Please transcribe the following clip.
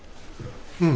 うん。